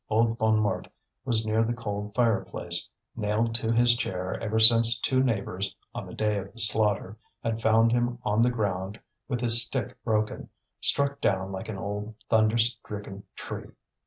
Old Bonnemort was near the cold fireplace, nailed to his chair ever since two neighbours, on the day of the slaughter, had found him on the ground, with his stick broken, struck down like an old thunder stricken tree.